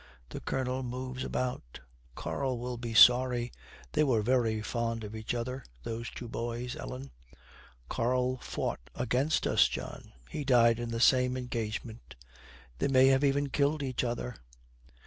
The Colonel moves about, 'Karl will be sorry. They were very fond of each other, those two boys, Ellen.' 'Karl fought against us, John. He died in the same engagement. They may even have killed each other.'